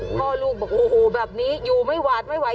พ่อลูกบอกโอ้โหแบบนี้อยู่ไม่หวาดไม่ไหว